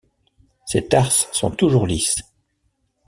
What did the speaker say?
Ses tarses sont toujours lisses.